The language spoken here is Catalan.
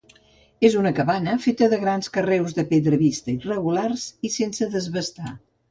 És una cabana feta de grans carreus de pedra vista irregulars i sense desbastar.